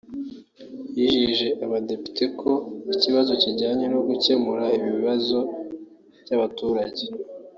yijeje Abadepite ko ikibazo kijyanye no gukemura ibibazo by’abaturage